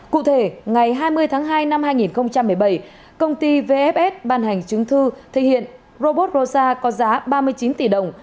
cụ thể ngày hai mươi tháng hai năm hai nghìn một mươi bảy công ty vfs ban hành chứng thư thể hiện robot rosa có giá ba mươi chín tỷ đồng